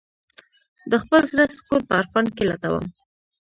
د خپل زړه سکون په عرفان کې لټوم.